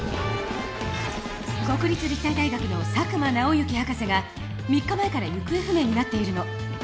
国立立体大学の佐久間直之博士が３日前から行方不明になっているの。